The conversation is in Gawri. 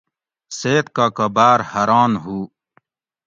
سید کاکہ باۤر حاران ہُو